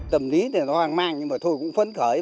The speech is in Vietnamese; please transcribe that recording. tâm lý thì nó hoang mang nhưng mà thôi cũng phấn khởi